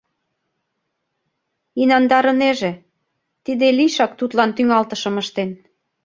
Инандарынеже: тиде лийшак тудлан тӱҥалтышым ыштен.